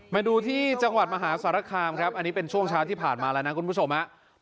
มาดูที่จังหวัดมหาสารคามครับอันนี้เป็นช่วงเช้าที่ผ่านมาแล้วนะคุณผู้ชมฮะ